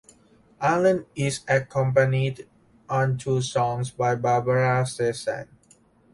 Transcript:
Arlen is accompanied on two songs by Barbara Streisand.